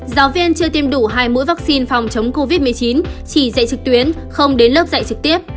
giáo viên chưa tiêm đủ hai mũi vaccine phòng chống covid một mươi chín chỉ dạy trực tuyến không đến lớp dạy trực tiếp